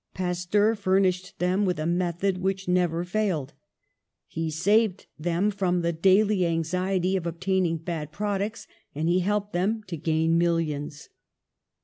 Pasteur furnished them with a method which never failed. He saved them from the daily anxiety of obtaining bad products, and he helped them to gain millions.